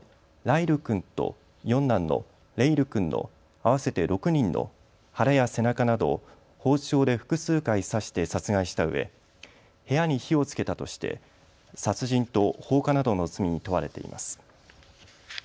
合わせて６人の腹や背中などを包丁で複数回刺して殺害したうえ部屋に火をつけたとして殺人と放火などの罪に問われています。